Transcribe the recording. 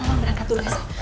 berangkat dulu ya sa